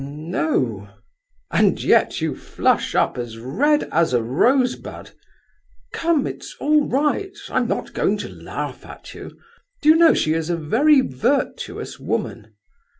"N no." "And yet you flush up as red as a rosebud! Come—it's all right. I'm not going to laugh at you. Do you know she is a very virtuous woman?